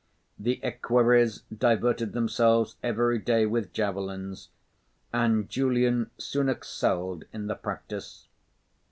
The equerries diverted themselves every day with javelins and Julian soon excelled in the practice.